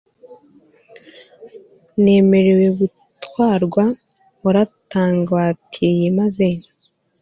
nemera gutwarwa, warangwatiriye maze